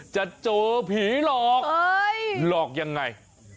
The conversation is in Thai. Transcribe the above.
จะเจอผีหลอกหลอกยังไง